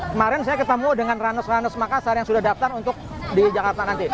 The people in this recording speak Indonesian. kemarin saya ketemu dengan ranus ranus makassar yang sudah daftar untuk di jakarta nanti